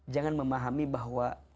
jangan memahami bahwa